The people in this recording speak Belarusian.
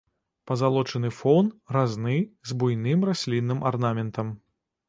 Пазалочаны фон, разны, з буйным раслінным арнаментам.